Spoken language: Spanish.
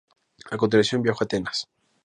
A continuación, viajó a Atenas.